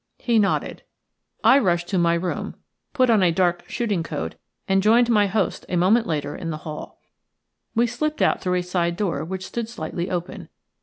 He nodded. I rushed to my room, put on a dark shooting coat, and joined my host a moment later in the hall We slipped out through a side door which stood slightly open.